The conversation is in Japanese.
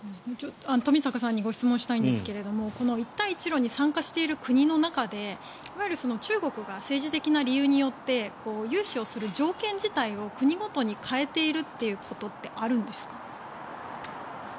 冨坂さんにご質問をしたいんですが一帯一路に参加している国の中でいわゆる、中国が政治的な理由によって融資をする条件自体を国ごとに変えていることってあるんですか？